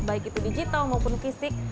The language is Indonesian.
baik itu digital maupun fisik